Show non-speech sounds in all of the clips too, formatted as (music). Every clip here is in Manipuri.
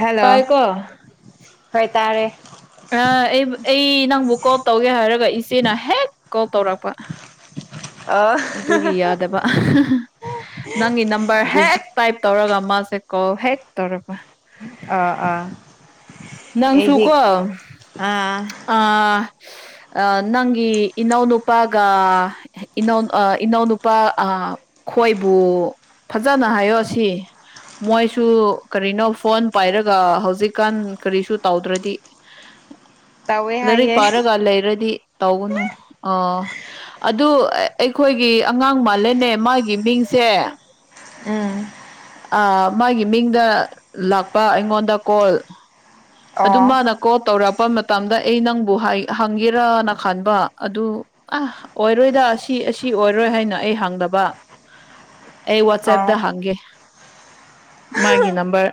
ꯍꯜꯂꯣ ꯇꯥꯏꯀꯣ ꯍꯣꯏ ꯇꯥꯔꯦ ꯑ ꯑꯩꯕꯨ ꯑꯩ ꯅꯪꯕꯨ ꯀꯣꯜ ꯇꯧꯒꯦ ꯍꯥꯏꯔꯒ ꯏꯆꯦꯅ ꯍꯦꯛ ꯀꯣꯜ ꯇꯧꯔꯛꯄ ꯑꯣ ꯑꯗꯨꯒꯤ ꯌꯥꯗꯕ ꯅꯪꯒꯤ ꯅꯝꯕꯔ ꯍꯦꯛ ꯇꯥꯏꯞ ꯇꯧꯔꯒ ꯃꯥꯁꯦ ꯀꯣ ꯍꯦꯛ ꯇꯧꯔꯛꯄ ꯑꯥ ꯑꯥ ꯅꯪꯁꯨ ꯑꯩꯗꯤ ꯀꯣ ꯑꯥ ꯑ ꯑ ꯅꯪꯒꯤ ꯏꯅꯧꯅꯨꯄꯥꯒ ꯏꯅꯧ ꯑ ꯏꯅꯧꯅꯨꯄꯥ ꯑ ꯈꯣꯏꯕꯨ ꯐꯖꯅ ꯍꯥꯏꯌꯣ ꯁꯤ ꯃꯣꯏꯁꯨ ꯀꯔꯤꯅꯣ ꯐꯣꯟ ꯄꯥꯏꯔꯒ ꯍꯧꯖꯤꯛꯀꯥꯟ ꯀꯔꯤꯁꯨ ꯇꯧꯗ꯭ꯔꯗꯤ ꯇꯧꯋꯦ ꯂꯥꯏꯔꯤꯛ ꯍꯥꯏꯌꯦ ꯄꯥꯔꯒ ꯂꯩꯔꯗꯤ ꯇꯧꯒꯅꯨ ꯑ ꯑꯗꯨ ꯑꯩꯈꯣꯏꯒꯤ ꯑꯉꯥꯡ ꯃꯥꯜꯂꯦꯅꯦ ꯃꯥꯒꯤ ꯃꯤꯡꯁꯦ ꯎꯝ ꯑ ꯃꯥꯒꯤ ꯃꯤꯡꯗ ꯂꯥꯛꯄ ꯑꯩꯉꯣꯟꯗ ꯀꯣꯜ ꯑꯗꯨ ꯑꯣ ꯃꯥꯅ ꯀꯣꯜ ꯇꯧꯔꯛꯄ ꯃꯇꯝꯗ ꯑꯩ ꯅꯪꯕꯨ ꯍꯥ ꯍꯪꯒꯦꯔꯅ ꯈꯟꯕ ꯑꯗꯨ ꯑ ꯑꯣꯏꯔꯣꯏꯗ ꯑꯁꯤ ꯑꯁꯤ ꯑꯣꯏꯔꯣꯏ ꯍꯥꯏꯅ ꯑꯩ ꯍꯪꯗꯕ ꯑꯩ ꯋꯥꯠꯆꯦꯞꯗ ꯑꯣ ꯍꯥꯡꯒꯦ ꯃꯥꯒꯤ ꯅꯝꯕ꯭ꯔ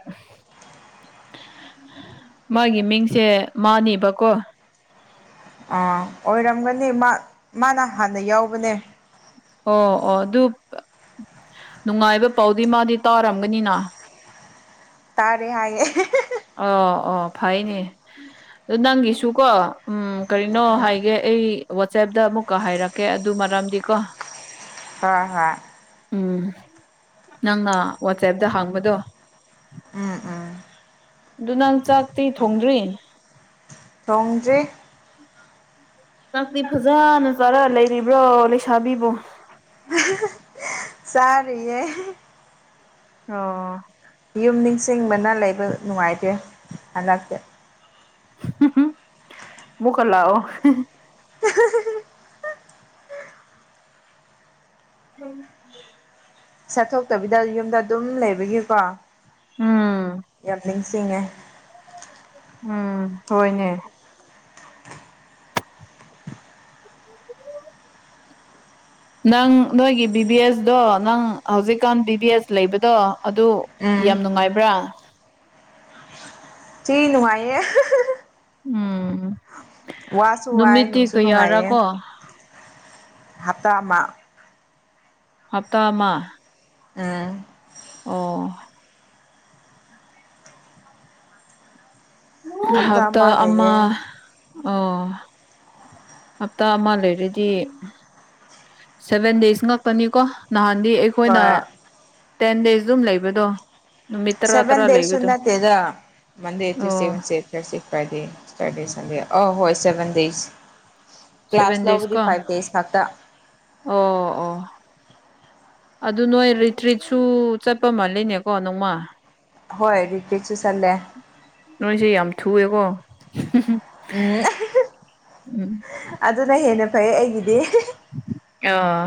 ꯃꯥꯒꯤ ꯃꯤꯡꯁꯦ ꯃꯥꯅꯦꯕꯀꯣ ꯑꯥ ꯑꯣꯏꯔꯝꯒꯅꯤ ꯃꯥ ꯃꯥꯅ ꯍꯥꯟꯅ ꯌꯥꯎꯕꯅꯦ ꯑꯣ ꯑꯣ ꯗꯨꯞ ꯅꯨꯡꯉꯥꯏꯕ ꯄꯥꯎꯗꯤ ꯃꯥꯗꯤ ꯇꯥꯔꯝꯒꯅꯤꯅ ꯇꯥꯔꯦ ꯍꯥꯏꯌꯦ (unintelligible) ꯑꯣ ꯑꯣ ꯐꯩꯅꯦ ꯑ ꯅꯪꯒꯤꯁꯨꯀꯣ ꯎꯝ ꯀꯔꯤꯅꯣ ꯍꯥꯏꯒꯦ ꯑꯩ ꯋꯥꯆꯦꯞꯇ ꯑꯃꯨꯛꯀ ꯍꯥꯏꯔꯛꯀꯦ ꯑꯗꯨ ꯃꯔꯝꯗꯤ ꯀꯣ ꯍꯣꯏ ꯍꯣꯏ ꯎꯝ ꯅꯪꯅ ꯋꯥꯆꯦꯞꯇ ꯍꯥꯡꯕꯗꯣ ꯎꯝ ꯎꯝ ꯑꯗꯨ ꯅꯪ ꯆꯥꯛꯇꯤ ꯊꯣꯡꯗ꯭ꯔꯤ ꯊꯣꯡꯗ꯭ꯔꯤ ꯆꯥꯛꯇꯤ ꯐꯖꯅ ꯆꯥꯔ ꯂꯩꯔꯤꯕ꯭ꯔꯣ ꯂꯩꯁꯥꯕꯤꯕꯨ ꯆꯔꯤꯌꯦ ꯑꯣ ꯌꯨꯝ ꯅꯤꯡꯁꯤꯡꯕꯅ ꯂꯩꯕ ꯅꯨꯡꯉꯥꯏꯇꯦ ꯍꯟꯂꯛꯇꯤ ꯑꯃꯨꯛꯀ ꯂꯥꯛ ꯑꯣ (inaudible) ꯆꯠꯊꯣꯛꯇꯕꯤꯗ ꯌꯨꯝꯗ ꯑꯗꯨꯝ ꯂꯩꯕꯒꯤꯀꯣ ꯎꯝ ꯌꯥꯝ ꯂꯤꯡꯁꯤꯡꯉꯦ ꯎꯝ ꯍꯣꯏꯅꯦ ꯅꯪ ꯅꯣꯏꯒꯤ ꯕꯤ ꯕꯤ ꯑꯦꯁꯗꯣ ꯅꯪ ꯍꯧꯖꯤꯛꯀꯥꯟ ꯕꯤ ꯕꯤ ꯑꯦꯁ ꯂꯩꯕꯗꯣ ꯑꯗꯨ ꯎꯝ ꯌꯥꯝ ꯅꯨꯡꯉꯥꯏꯕ꯭ꯔꯥ ꯆꯤ ꯅꯨꯡꯉꯥꯏꯌꯦ ꯎꯝ ꯋꯥꯁꯨ ꯋꯥꯏ ꯅꯨꯃꯤꯠꯇꯤ ꯅꯨꯡꯁꯨ ꯀꯌꯥꯔꯥ ꯅꯨꯡꯉꯥꯏꯌꯦ ꯀꯣ ꯍꯞꯇꯥ ꯑꯃ ꯍꯞꯇꯥ ꯑꯃ ꯎꯝ ꯑꯣ ꯍꯞꯇꯥ ꯍꯞꯇ ꯑꯃ ꯂꯩꯌꯦ ꯑꯣ ꯍꯞꯇꯥ ꯑꯃ ꯂꯩꯔꯗꯤ ꯁꯚꯦꯟ ꯗꯦꯖ ꯉꯥꯛꯇꯅꯤꯀꯣ ꯅꯍꯥꯟꯗꯤ ꯑꯩ ꯑꯈꯣꯏꯅ ꯍꯣꯏ ꯇꯦꯟ ꯗꯦꯖ ꯌꯨꯝ ꯂꯩꯕꯗꯣ ꯅꯨꯃꯤꯠ ꯇꯔꯥ ꯁꯦꯕꯦꯟ ꯇꯔꯥ ꯗꯦꯁ ꯁꯨ ꯂꯩꯕꯗꯣ ꯅꯠꯇꯦꯗ ꯃꯟꯗꯦ ꯇꯨꯁꯗꯦ ꯑꯣ Wednesday Thursday Friday Saturday Sunday ꯑ ꯍꯣꯏ seven days class seven days ꯀꯣ ꯂꯧꯕꯗꯤ ꯐꯥꯏꯚ ꯗꯦꯖ ꯈꯛꯇ ꯑꯣ ꯑꯣ ꯑꯗꯨ ꯅꯣꯏ ꯔꯤꯇ꯭ꯔꯤꯠꯁꯨ ꯆꯠꯄ ꯃꯥꯜꯂꯦꯅꯦꯀꯣ ꯅꯣꯡꯃ ꯍꯣꯏ ꯔꯤꯇꯔꯤꯠꯁꯨ ꯆꯠꯂꯦ ꯅꯣꯏꯁꯦ ꯌꯥꯝ ꯊꯨꯌꯦꯀꯣ ꯎꯝ (inaudible) ꯎꯝ ꯑꯗꯨꯅ ꯍꯦꯟꯅ ꯐꯩꯌꯦ ꯑꯩꯒꯤꯗꯤ ꯑꯣ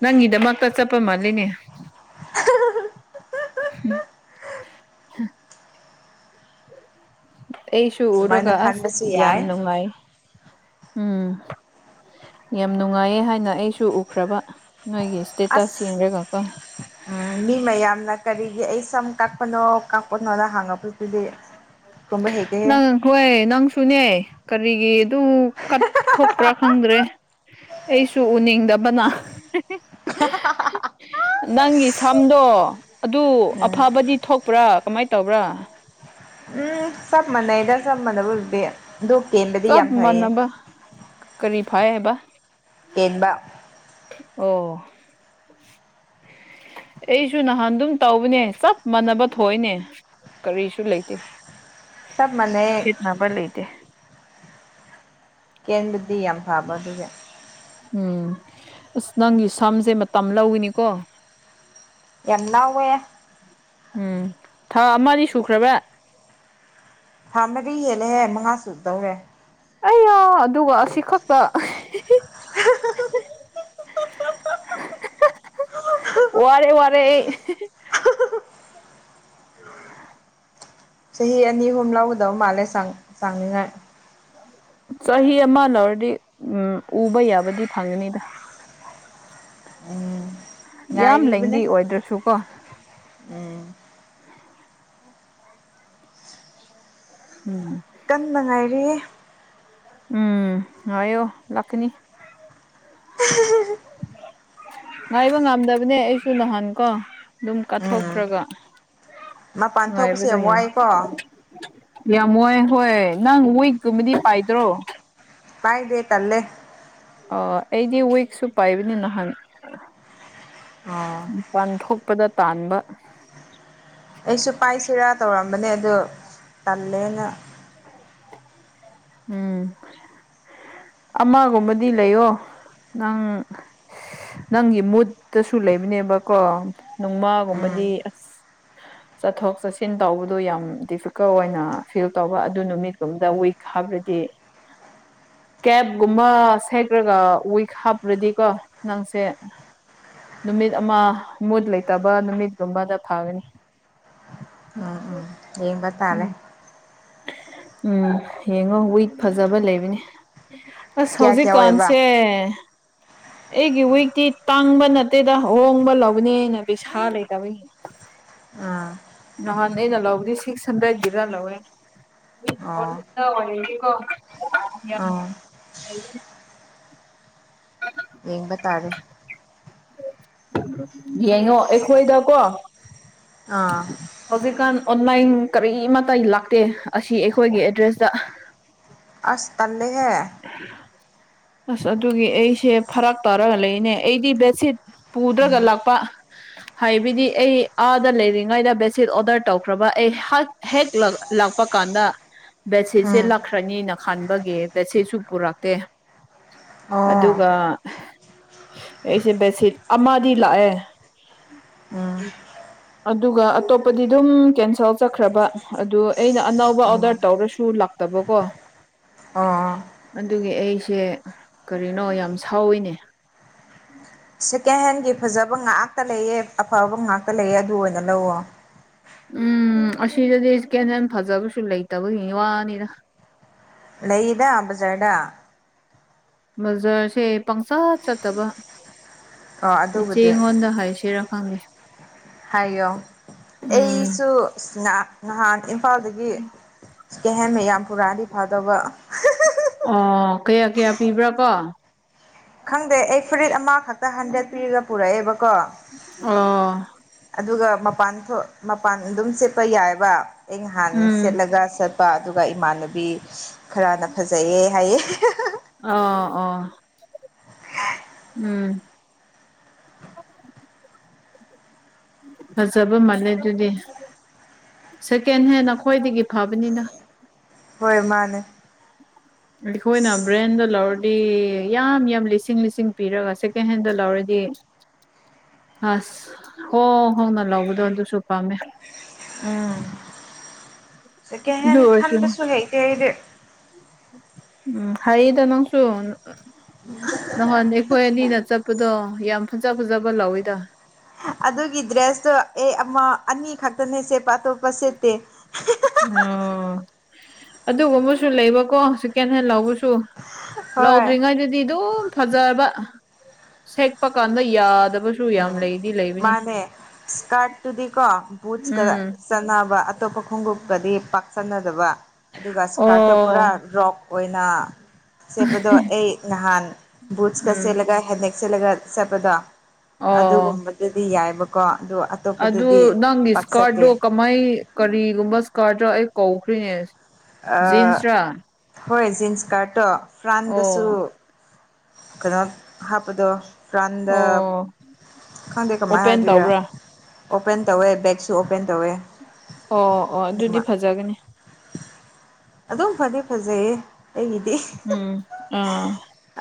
ꯅꯪꯒꯤꯗꯃꯛꯇ ꯆꯠꯄ ꯃꯥꯜꯂꯤꯅꯦ ꯎꯝ ꯍꯥ ꯑꯩꯁꯨ ꯎꯔꯒ ꯁꯨꯃꯥꯏꯅ ꯑꯁ ꯈꯟꯕꯁꯨ ꯌꯥꯝ ꯌꯥꯏ ꯅꯨꯡꯉꯥꯏ ꯎꯝ ꯌꯥꯝ ꯅꯨꯡꯉꯥꯏꯌꯦ ꯍꯥꯏꯅ ꯑꯩꯁꯨ ꯎꯈ꯭ꯔꯕ ꯅꯣꯏꯒꯤ ꯁꯇꯦꯇꯁ ꯑꯁ ꯌꯦꯡꯔꯒ ꯀꯣ ꯎꯝ ꯃꯤ ꯃꯌꯥꯝꯅ ꯀꯔꯤꯒꯤ ꯑꯩ ꯁꯝ ꯀꯛꯄꯅꯣ ꯀꯛꯄꯅꯣꯅ ꯍꯪꯉꯛꯄ ꯗꯨꯗꯤ ꯈꯨꯝꯕ ꯍꯩꯇꯦꯍꯦ ꯅꯪ ꯍꯣꯏ ꯅꯪꯁꯨꯅꯦ ꯀꯔꯤꯒꯤ ꯑꯗꯨ ꯀꯠꯊꯣꯛꯄ꯭ꯔꯥ ꯈꯪꯗ꯭ꯔꯦ ꯑꯩꯁꯨ ꯎꯅꯤꯡꯗꯕꯅ (inaudible) ꯅꯪꯒꯤ ꯁꯝꯗꯣ ꯑꯗꯨ ꯎꯝ ꯑꯐꯕꯗꯤ ꯊꯣꯛꯄ꯭ꯔꯥ ꯀꯃꯥꯏ ꯇꯧꯕ꯭ꯔꯥ ꯎꯝ ꯆꯞ ꯃꯥꯟꯅꯩꯗ ꯆꯞ ꯃꯅꯕꯕꯨꯗꯤ ꯆꯞ ꯃꯅꯕ ꯀꯔꯤ ꯐꯥꯏ ꯍꯥꯏꯕ ꯄꯦꯟꯕ ꯑꯣ ꯑꯩꯁꯨ ꯅꯍꯥꯟ ꯑꯗꯨꯝ ꯇꯧꯕꯅꯦ ꯆꯞ ꯃꯥꯟꯅꯕ ꯊꯣꯛꯏꯅꯦ ꯀꯔꯤꯁꯨ ꯂꯩꯇꯦ ꯆꯞ ꯃꯥꯅꯩꯌꯦ ꯅꯕꯥꯏ ꯂꯩꯇꯦ ꯀꯦꯟꯕꯗꯤ ꯌꯥꯝ ꯐꯕ (unintelligible) ꯎꯝ ꯑꯁ ꯅꯪꯒꯤ ꯁꯝꯁꯦ ꯃꯇꯝ ꯂꯧꯋꯤꯅꯤꯀꯣ꯫ ꯌꯥꯝ ꯂꯧꯑꯦ꯫ ꯎꯝ ꯊꯥ ꯑꯃꯥꯗꯤ ꯁꯨꯈ꯭ꯔꯕ꯫ ꯊꯥ ꯃꯔꯤ ꯍꯦꯟꯂꯦꯍꯦ ꯃꯉꯥ ꯁꯨꯗꯧꯔꯦ꯫ ꯑꯩꯌꯥ ꯑꯗꯨꯒ ꯑꯁꯤ ꯈꯛꯇ꯫ ꯋꯥꯔꯦ ꯋꯥꯔꯦ ꯑꯩ꯫ ꯆꯍꯤ ꯑꯅꯤ ꯑꯍꯨꯝ ꯂꯧꯒꯗꯕ ꯃꯥꯜꯂꯦ ꯆꯥꯡ ꯆꯥꯡꯅꯤꯉꯥꯏ꯫ ꯆꯍꯤ ꯑꯃ ꯂꯧꯔꯗꯤ ꯎꯝ ꯎꯕ ꯌꯥꯕꯗꯤ ꯐꯪꯒꯅꯤꯗ꯫ ꯎꯝ ꯌꯥꯝ ꯂꯦꯡꯗꯤ ꯉꯥꯏꯔꯤꯕꯅꯦ ꯑꯣꯏꯗ꯭ꯔꯁꯨ ꯀꯣ꯫ ꯎꯝ ꯎꯝ꯫ ꯀꯟꯕ ꯉꯥꯏꯔꯤꯌꯦ꯫ ꯎꯝ ꯉꯥꯏꯌꯨ ꯂꯥꯛꯀꯅꯤ꯫ (unintelligible) ꯉꯥꯏꯕ ꯉꯝꯗꯕꯅꯦ ꯑꯩꯁꯨ ꯅꯍꯟ ꯀꯣ ꯑꯗꯨꯝ ꯎꯝ ꯀꯠꯊꯣꯛꯈ꯭ꯔꯒ꯫ ꯃꯄꯥꯟ ꯊꯣꯛꯄꯁꯦ ꯌꯥꯝ ꯋꯥꯏꯀꯣ꯫ ꯌꯥꯝ ꯋꯥꯏ ꯍꯣꯏ ꯅꯪ ꯋꯤꯛꯀꯨꯝꯕꯗꯤ ꯄꯥꯏꯗ꯭ꯔꯣ꯫ ꯄꯥꯏ ꯗꯦ ꯇꯜꯂꯦ꯫ ꯑꯣ ꯑꯩꯗꯤ ꯋꯤꯛꯁꯨ ꯄꯥꯏꯕꯅꯤ ꯅꯍꯥꯟ꯫ ꯑꯣ ꯃꯄꯥꯟ ꯊꯣꯛꯄꯗ ꯇꯥꯟꯕ꯫ ꯑꯩꯁꯨ ꯄꯥꯏꯁꯤꯔꯥ ꯇꯧꯔꯝꯕꯅꯦ ꯑꯗꯨ ꯇꯜꯂꯦꯅ꯫ ꯎꯝ꯫ ꯑꯃꯒꯨꯝꯕꯗꯤ ꯂꯩꯌꯣ ꯅꯪ꯫ ꯅꯪꯒꯤ ꯃꯨꯠꯇꯁꯨ ꯂꯩꯕꯅꯦꯕꯀꯣ ꯎꯝ ꯅꯣꯡꯃꯥꯒꯨꯝꯕꯗꯤ ꯑꯁ꯫ ꯆꯠꯊꯣꯛ ꯆꯠꯁꯤꯟ ꯇꯧꯕꯗꯣ ꯌꯥꯝ ꯗꯤꯐꯤꯀꯜ ꯑꯣꯏꯅ ꯐꯤꯜ꯫ ꯇꯧꯕ ꯑꯗꯨ ꯅꯨꯃꯤꯠꯀꯨꯝꯕꯗ ꯋꯤꯛ ꯍꯥꯄꯔꯗꯤ꯫ ꯀꯦꯕꯒꯨꯝꯕ ꯁꯦꯈ꯭ꯔꯒ ꯋꯤꯛ ꯍꯥꯞꯄ꯭ꯔꯗꯤꯀꯣ ꯅꯪꯁꯦ꯫ ꯅꯨꯃꯤꯠ ꯑꯃ ꯃꯨꯠ ꯂꯩꯇꯕ ꯅꯨꯃꯤꯠꯒꯨꯝꯕꯗ ꯊꯥꯒꯅꯤ꯫ ꯎꯝ ꯎꯝ ꯌꯦꯡꯕ ꯇꯥꯔꯦ꯫ ꯎꯝ ꯎꯝ ꯌꯦꯡꯉꯣ ꯋꯤꯛ ꯐꯖꯕ ꯂꯩꯕꯅꯤ꯫ ꯑꯁ ꯀꯌꯥ ꯀꯌꯥ ꯑꯣꯏꯕ ꯍꯧꯖꯤꯛꯀꯥꯟꯁꯦ꯫ ꯑꯩꯒꯤ ꯋꯤꯛꯇꯤ ꯇꯥꯡꯕ ꯅꯠꯇꯦꯗ ꯍꯣꯡꯕ ꯂꯧꯕꯅꯦ ꯑꯩꯅ ꯄꯩꯁꯥ ꯂꯩꯇꯕꯒꯤ꯫ ꯎꯝ꯫ ꯅꯍꯥꯟ ꯑꯩꯅ ꯂꯧꯕꯗꯤ ꯁꯤꯛꯁ ꯍꯟꯗ꯭ꯔꯦꯗꯒꯤꯔ ꯂꯧꯋꯦ꯫ ꯑꯣ ꯑꯥ (unintelligible) (unintelligible) ꯌꯦꯡꯕ ꯇꯥꯔꯦ꯫ ꯌꯦꯡꯉꯣ ꯑꯩꯈꯣꯏꯗꯀꯣ꯫ ꯑꯥ꯫ ꯍꯧꯖꯤꯛꯀꯥꯟ ꯑꯣꯟꯂꯥꯏꯟ ꯀꯔꯤꯃꯇꯥꯏ ꯂꯥꯛꯇꯦ ꯑꯁꯤ ꯑꯩꯈꯣꯏꯒꯤ ꯑꯦꯗ꯭ꯔꯦꯁꯇ꯫ ꯑꯁ ꯇꯟꯂꯤꯍꯦ꯫ ꯑꯁ ꯑꯗꯨꯒꯤ ꯑꯩꯁꯦ ꯐꯔꯛ ꯇꯥꯔꯒ ꯂꯩꯅꯦ ꯑꯩꯗꯤ ꯕꯦꯠꯁꯤꯠ꯫ ꯄꯨꯨꯗ꯭ꯔꯒ ꯂꯥꯛꯄ꯫ ꯍꯥꯏꯕꯤꯗꯤ ꯑꯩ ꯑꯥꯗ ꯂꯩꯔꯤꯉꯩꯗ ꯕꯦꯠꯁꯤꯠ ꯑꯣꯗꯔ ꯇꯧꯈ꯭ꯔꯕ ꯑꯩ ꯍꯦꯛ ꯂꯥꯛꯄ ꯀꯥꯟꯗ ꯕꯦꯗꯁꯤꯠꯁꯦ ꯎꯝ ꯂꯥꯛꯈ꯭ꯔꯅꯤꯅ ꯈꯟꯕꯒꯤ꯫ ꯕꯦꯠꯁꯤꯠꯁꯨ ꯄꯨꯔꯛꯇꯦ ꯑꯣ ꯑꯗꯨꯒ ꯑꯩꯁꯦ ꯕꯦꯗ ꯁꯤꯠ ꯑꯃꯗꯤ ꯂꯥꯛꯑꯦ ꯎꯝ ꯑꯗꯨꯒ ꯑꯇꯣꯞꯄꯗꯤ ꯑꯗꯨꯝ ꯀꯦꯟꯁꯦꯜ ꯆꯠꯈ꯭ꯔꯕ ꯑꯗꯨ ꯑꯩꯅ ꯑꯅꯧꯕ ꯑꯣ ꯑꯣꯗꯔ ꯇꯧꯔꯁꯨ ꯂꯥꯛ ꯇꯕ ꯀꯣ ꯑꯣ ꯑꯗꯨꯒꯤ ꯑꯩꯁꯦ ꯀꯔꯤꯅꯣ ꯌꯥꯝ ꯁꯥꯎꯋꯤꯅꯦ ꯁꯦꯀꯦꯟ ꯍꯦꯟꯒꯤ ꯐꯖꯕ ꯉꯥꯛꯇ ꯂꯩꯌꯦ ꯑꯐꯕ ꯉꯥꯛꯇ ꯂꯩꯌꯦ ꯑꯗꯨ ꯑꯣꯏꯅ ꯂꯧꯑꯣ ꯎꯝ ꯑꯁꯤꯗꯗꯤ ꯁꯦꯀꯦꯟ ꯍꯦꯟ ꯐꯖꯕꯁꯨ ꯂꯩꯇꯕꯒꯤꯅꯤ ꯋꯥꯅꯤꯗ ꯂꯩꯗ ꯕꯖꯥꯔꯗ ꯕꯖꯥꯔꯁꯦ ꯄꯪ ꯆꯠ ꯆꯠꯇꯕ ꯑꯣ ꯏꯆꯦ ꯑꯗꯨꯕꯨꯗꯤ ꯉꯣꯟꯗ ꯍꯥꯏꯁꯤꯔꯥ ꯈꯪꯗꯦ ꯍꯥꯏꯌꯣ ꯎꯝ ꯑꯩꯁꯨ (inaudible) ꯅꯍꯥꯟ ꯏꯝꯐꯥꯜꯗꯒꯤ ꯁꯦꯀꯦꯟ ꯍꯦꯟ ꯃꯌꯥꯝ ꯄꯨꯔꯛꯑꯗꯤ ꯐꯗꯧꯕ ꯑꯣ ꯀꯌꯥ ꯀꯌꯥ ꯄꯤꯕ꯭ꯔꯥ ꯀꯣ ꯈꯪꯗꯦ ꯑꯩ ꯐꯨꯔꯤꯠ ꯑꯃꯈꯛꯇ ꯍꯟꯗ꯭ꯔꯦꯠ ꯄꯤꯔꯒ ꯄꯨꯔꯛꯑꯦꯕꯀꯣ ꯑꯣꯥ ꯑꯗꯨꯒ ꯃꯄꯥꯟ ꯃꯄꯥꯟ ꯑꯗꯨꯝ ꯁꯦꯠꯄ ꯌꯥꯏꯕ ꯑꯩ ꯅꯍꯥꯟ ꯎꯝ ꯁꯦꯠꯂꯒ ꯆꯠ ꯄ ꯑꯗꯨꯒ ꯏꯃꯥꯟꯅꯕꯤ ꯈꯔꯅ ꯐꯖꯩꯌꯦ ꯍꯥꯏꯌꯦ ꯑꯣ ꯑꯣ ꯎꯝ ꯐꯖꯕ ꯃꯥꯜꯂꯦ ꯑꯗꯨꯗꯤ ꯁꯦꯀꯦꯟ ꯍꯦꯟꯅ ꯑꯩꯈꯣꯏꯗꯒꯤ ꯐꯕꯅꯤꯗ ꯍꯣꯏ ꯃꯥꯅꯦ ꯑꯩꯈꯣꯏꯅ ꯕ꯭ꯔꯥꯟꯗ ꯂꯧꯔꯗꯤ ꯌꯥꯝ ꯌꯥꯝ ꯂꯤꯁꯤꯡ ꯂꯤꯁꯤꯡ ꯄꯤꯔꯒ ꯁꯦꯀꯦꯟ ꯍꯦꯟꯗ ꯂꯧꯔꯗꯤ ꯑꯁ ꯍꯣ ꯍꯣꯡꯅ ꯂꯧꯥꯕꯗꯣ ꯑꯗꯨꯁꯨ ꯄꯥꯝꯃꯦ (unintelligible) ꯎꯝ ꯁꯦꯀꯦꯟ ꯑꯗꯨ ꯍꯦꯟ ꯑꯣꯏꯔꯁꯨ ꯈꯟꯕꯁꯨ ꯍꯩꯇꯦ ꯑꯩꯗꯤ ꯎꯝ ꯍꯥꯏꯌꯦꯗ ꯅꯪꯁꯨ ꯅꯍꯥꯟ ꯑꯩꯈꯣꯏ ꯑꯅꯤꯅ ꯆꯠꯄꯗꯣ ꯌꯥꯝ ꯐꯖ ꯐꯖꯕ ꯂꯧꯋꯤꯗ ꯑꯗꯨꯒꯤ ꯗ꯭ꯔꯦꯁꯇꯣ ꯑꯦ ꯑꯃ ꯑꯅꯤ ꯈꯛꯇꯅꯦ ꯁꯦꯠꯄ ꯑꯇꯣꯞꯄ ꯁꯦꯠꯇꯦ ꯑꯣ ꯑꯗꯨꯒꯨꯝꯕꯁꯨ ꯂꯩꯕꯀꯣ ꯁꯦꯀꯦꯟ ꯍꯦꯟ ꯂꯧꯕꯁꯨ ꯍꯣꯏ ꯂꯧꯗ꯭ꯔꯤ ꯉꯥꯏꯗꯗꯤ ꯑꯗꯨꯝ ꯐꯖꯕ ꯁꯦꯠꯄ ꯀꯥꯟꯗ ꯌꯥꯗꯕꯁꯨ ꯌꯥꯝ ꯂꯩ ꯃꯥꯅꯦ ꯁ꯭ꯀꯔꯠ ꯇꯨꯗꯤꯀꯣ ꯕꯨꯠꯁ ꯀ ꯎꯝ ꯆꯥꯟꯅꯕ ꯑꯇꯣꯞꯄ ꯈꯣꯡꯎꯞꯀꯗꯤ ꯄꯥꯛ ꯆꯥꯟꯅꯗꯕ ꯑꯗꯨꯒ ꯁ꯭ꯀꯔꯠꯇꯣ ꯑꯣ ꯄꯨꯔꯥ ꯔꯣꯞ ꯑꯣꯏꯅ ꯁꯦꯠꯄꯗꯣ ꯑꯩ ꯅꯍꯥꯟ ꯕꯨꯠꯁꯀ ꯎꯝ ꯁꯦꯠꯂꯒ ꯍꯦꯗꯦꯛ ꯆꯠꯂꯒ ꯆꯠꯄꯗꯣ ꯑꯣ ꯑꯗꯨꯒꯨꯝꯕꯗꯨꯗꯤ ꯌꯥꯏꯕꯀꯣ ꯑꯗꯨ ꯑꯗꯨ ꯑꯇꯣꯞꯄꯗꯗꯤ ꯅꯪꯒꯤ ꯄꯥꯛ ꯆꯠꯇꯦ ꯁ꯭ꯀꯔꯠꯗꯣ ꯀꯃꯥꯏ ꯀꯔꯤꯒꯨꯝꯕ ꯁ꯭ꯀꯔꯠꯗꯣ ꯑꯩ ꯀꯥꯎꯈ꯭ꯔꯦꯅꯦ ꯍꯣꯏ ꯖꯤꯟꯁ ꯁ꯭ꯀꯔꯠꯇꯣ ꯐ꯭ꯔꯥꯟꯗꯁꯨ ꯑꯣ ꯀꯩꯅꯣ ꯍꯥꯞꯄꯗꯣ ꯐ꯭ꯔꯥꯟꯗ ꯑꯣ ꯈꯪꯗꯦ ꯀꯃꯥꯏ ꯑꯣꯄꯦꯟ ꯍꯥꯏꯗꯣꯏꯔ ꯇꯧꯕ꯭ꯔꯥ ꯑꯣꯄꯟ ꯇꯧꯋꯦ ꯕꯦꯛꯁꯨ ꯑꯣꯄꯟ ꯇꯧꯋꯦ ꯑꯣ ꯑꯣ ꯑꯗꯨꯗꯤ ꯑꯅꯤꯃꯛ ꯐꯖꯒꯅꯤ ꯑꯗꯨꯝ ꯐꯗꯤ ꯐꯖꯩꯌꯦ ꯑꯩꯒꯤꯗꯤ ꯎꯝ ꯑꯥ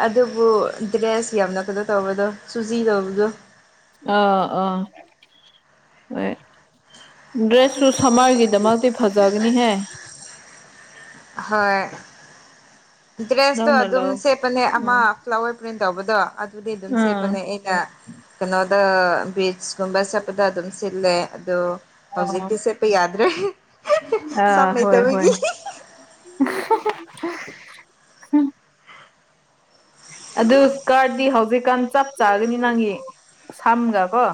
ꯑꯗꯨꯕꯨ ꯗ꯭ꯔꯦꯁ ꯌꯥꯝꯅ ꯀꯗꯣ ꯇꯧꯕꯗꯣ ꯆꯨꯖꯤ ꯇꯧꯕꯗꯣ ꯑꯥ ꯑꯥ (inaudible) ꯗ꯭ꯔꯦꯁꯁꯨꯨ ꯁꯝꯃꯔꯒꯤꯗꯃꯛꯇꯤ ꯐꯖꯒꯅꯤꯍꯦ ꯍꯣꯏ (inaudible) ꯗ꯭ꯔꯦꯁꯇꯣ ꯅꯪꯅ ꯑꯗꯨꯝ ꯂꯧ ꯁꯦꯠꯄꯅꯦ ꯑꯃ ꯎꯝ ꯐ꯭ꯂꯥꯋꯔ ꯄ꯭ꯔꯤꯟ ꯇꯧꯕꯗꯣ ꯑꯗꯨꯗꯤ ꯑꯗꯨꯝ ꯁꯦꯠꯄꯅꯦ ꯎꯝ ꯑꯩ ꯀꯩꯅꯣꯗ ꯕꯤꯆꯀꯨꯝꯕ ꯆꯠꯄꯗ ꯑꯗꯨꯝ ꯁꯤꯠꯂꯦ ꯑꯗꯣ ꯍꯧꯖꯤꯛꯇꯤ ꯁꯦꯄ ꯌꯥꯗ꯭ꯔꯦ ꯍꯤꯍꯤ ꯁꯝ ꯑꯥ ꯂꯩ ꯍꯣꯏ ꯍꯣꯏ ꯇꯕꯒꯤ ꯍꯤꯍꯤ (unintelligible) ꯑꯗꯨ ꯀꯥꯔꯗꯤ ꯍꯧꯖꯤꯛꯀꯥꯟ ꯆꯞ ꯆꯥꯒꯅꯤ ꯅꯪꯒꯤ ꯁꯝꯒ ꯀꯣ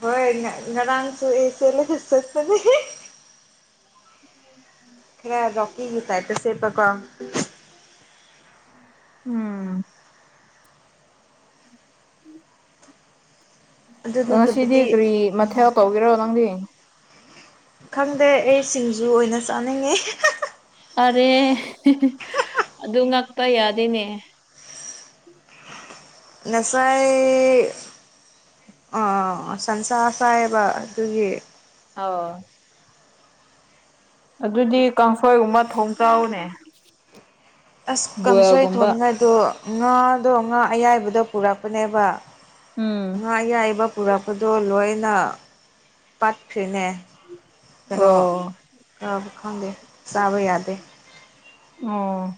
ꯍꯣꯏ ꯉꯔꯥꯡꯁꯨ ꯑꯩ ꯁꯦꯠꯂꯒ ꯆꯠꯄꯅꯦ ꯍꯤ ꯈꯔꯥ ꯔꯣꯀꯤꯒꯤ ꯇꯥꯏꯇ ꯁꯦꯠꯄꯀꯣ ꯎꯝ ꯑꯗꯨ ꯉꯥꯁꯤꯗꯤ ꯅꯠꯇꯕꯗꯤ ꯀꯔꯤ ꯃꯊꯦꯜ ꯇꯧꯒꯦꯔꯣ ꯅꯪꯗꯤ ꯈꯪꯗꯦ ꯑꯩ ꯁꯤꯡꯖꯨ ꯑꯣꯏꯅ ꯆꯥꯅꯤꯡꯉꯦ ꯍꯦꯍꯥ ꯑꯔꯦ ꯑꯗꯨ ꯉꯛꯄ ꯌꯥꯗꯦꯅꯦ ꯉꯁꯥꯏ ꯑꯥ ꯁꯟꯁꯥ ꯆꯥꯏꯕ ꯑꯗꯨꯒꯤ ꯑꯧ ꯑꯗꯨꯗꯤ ꯀꯥꯡꯁꯣꯏꯒꯨꯝꯕ ꯊꯣꯡ ꯆꯥꯎꯅꯦ ꯑꯁ ꯀꯥꯡꯁꯣꯏ ꯕꯣꯏꯜꯒꯨꯝꯕ ꯊꯣꯡꯅꯤꯡꯉꯥꯏꯗꯣ ꯉꯥꯗꯣ ꯉꯥ ꯑꯌꯥꯏꯕꯗꯣ ꯄꯨꯔꯛꯄꯥꯅꯦꯕ ꯎꯝ ꯉꯥ ꯑꯌꯥꯏꯕ ꯄꯨꯔꯛꯄꯥꯗꯣ ꯂꯣꯏꯅ ꯄꯠꯈ꯭ꯔꯦꯅꯦ ꯀꯩꯅꯣ ꯑꯣ ꯉꯥꯕꯨ ꯈꯪꯗꯦ ꯆꯥꯕ ꯌꯥꯗꯦ ꯑꯣ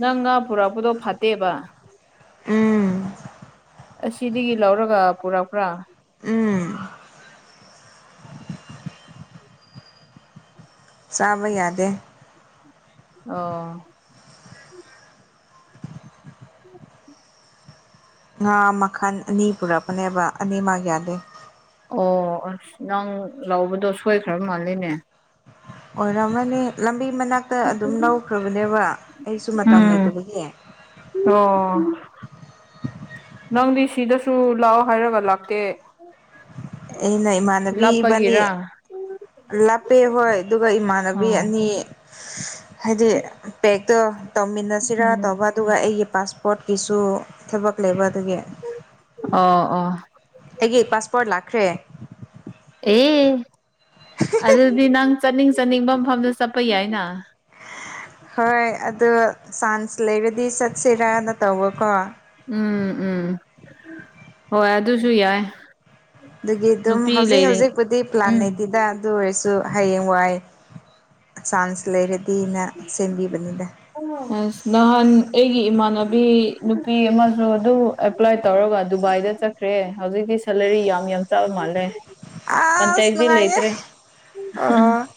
ꯅꯪ ꯉꯥ ꯄꯨꯔꯛꯄꯥꯗꯣ ꯐꯠꯇꯦꯕ ꯎꯝ ꯑꯁꯤꯗꯒꯤ ꯂꯧꯔꯒꯥ ꯄꯨꯔꯛꯄ꯭ꯔꯥ ꯎꯝ ꯆꯥꯕ ꯌꯥꯗꯦ ꯑꯣ ꯉꯥ ꯃꯈꯟ ꯑꯅꯤ ꯄꯨꯔꯛꯄꯅꯦꯕ ꯑꯅꯤꯃꯛ ꯌꯥꯗꯦ ꯑꯣ ꯑꯁ ꯅꯪ ꯂꯧꯕꯗꯣ ꯁꯣꯏꯈ꯭ꯔ ꯃꯥꯜꯂꯦꯅꯦ ꯑꯣꯏꯔꯝꯃꯅꯤ ꯂꯝꯕꯤ ꯃꯅꯥꯛꯇ ꯑꯗꯨꯝ ꯂꯧꯈ꯭ꯔꯕꯅꯦꯕ ꯑꯩꯁꯨ ꯃꯇꯝ ꯎꯝ ꯂꯩꯇꯕꯒꯤ ꯑꯣ ꯅꯪꯗꯤ ꯁꯤꯗꯁꯨ ꯂꯥꯛꯑꯣ ꯍꯥꯏꯔꯒ ꯂꯥꯛꯇꯦ ꯑꯩꯅ ꯏꯃꯥꯟꯅꯕꯤ ꯏꯕꯥꯅꯤ ꯂꯥꯞꯄꯒꯤꯔꯥ ꯂꯥꯞꯄꯦ ꯍꯣꯏ ꯑꯗꯨꯒ ꯏꯃꯥꯟꯅꯕꯤ ꯑꯣ ꯑꯅꯤ ꯍꯥꯏꯗꯤ ꯄꯦꯛꯇꯣ ꯇꯧꯃꯤꯟꯅꯁꯤꯔꯥ ꯎꯝ ꯇꯧꯕ ꯑꯗꯨꯒ ꯑꯩꯒꯤ ꯄꯥꯁꯄꯣꯔꯠꯀꯤꯁꯨ ꯊꯕꯛ ꯂꯩꯕ ꯑꯗꯨꯒꯤ ꯑꯣ ꯑꯣ ꯑꯩꯒꯤ ꯄꯥꯁꯄꯣꯔꯠ ꯂꯥꯛꯈ꯭ꯔꯦ ꯑꯦ ꯑꯗꯨꯗꯤ ꯅꯪ ꯆꯠꯅꯤꯡ ꯆꯠꯅꯤꯡꯕ ꯃꯐꯝꯗ ꯆꯠꯄ ꯌꯥꯏꯅ ꯍꯣꯏ ꯑꯗꯣ ꯆꯥꯟꯁ ꯂꯩꯔꯗꯤ ꯆꯠꯁꯤꯔꯥꯅ ꯇꯧꯕꯀꯣ ꯎꯝ ꯎꯝ ꯍꯣꯏ ꯑꯗꯨꯁꯨ ꯌꯥꯏ ꯑꯗꯨꯒꯤ ꯑꯗꯨꯝ ꯅꯨꯄꯤ ꯍꯧꯖꯤꯛ ꯂꯩꯔꯤ ꯍꯧꯖꯤꯛꯄꯨꯗꯤ ꯄ꯭ꯂꯥꯟ ꯎꯝ ꯂꯩꯇꯦꯗ ꯑꯗꯨ ꯑꯣꯏꯔꯁꯨ ꯍꯌꯦꯡ ꯋꯥꯏ ꯆꯥꯟꯁ ꯂꯩꯔꯗꯤꯅ ꯁꯦꯝꯕꯤꯕꯅꯤꯗ ꯑꯁ ꯅꯍꯥꯟ ꯑꯩꯒꯤ ꯏꯃꯥꯟꯅꯕꯤ ꯅꯨꯄꯤ ꯑꯃꯁꯨ ꯑꯗꯨ ꯑꯦꯄ꯭ꯂꯥꯏ ꯇꯧꯔꯒ ꯗꯨꯕꯥꯏꯗ ꯆꯠꯈ꯭ꯔꯦ ꯍꯧꯖꯤꯛꯇꯤ ꯁꯦꯂꯥꯔꯤ ꯌꯥꯝ ꯌꯥꯝ ꯆꯥꯕ ꯃꯥꯜꯂꯦ ꯑꯁ ꯀꯟꯇꯦꯛꯗꯤ ꯅꯨꯡꯉꯥꯏꯌꯦ ꯂꯩꯇ꯭ꯔꯦ ꯑꯣ